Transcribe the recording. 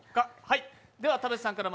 では田渕さんから。